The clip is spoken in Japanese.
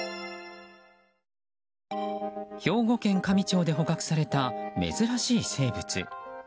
兵庫県香美町で捕獲された珍しい生物。